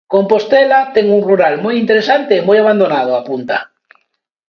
"Compostela ten un rural moi interesante e moi abandonado", apunta.